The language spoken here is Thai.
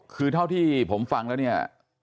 คือเท่าที่ผมฟังแล้วเนี่ย